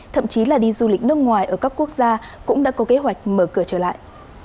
thậm chí là đi du lịch nước ngoài ở các quốc gia cũng đã có kế hoạch mở cửa trở lại